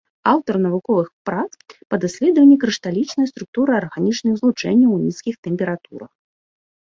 Аўтар навуковых прац па даследаванні крышталічнай структуры арганічных злучэнняў у нізкіх тэмпературах.